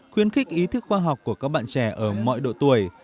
khuyến khích ý thức khoa học của các bạn trẻ ở mọi độ tuổi